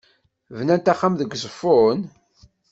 Bnant axxam deg Uzeffun?